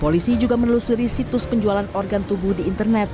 polisi juga menelusuri situs penjualan organ tubuh di internet